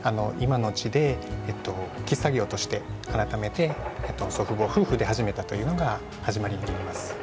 今の地で喫茶業として改めて祖父母夫婦で始めたというのが始まりになります。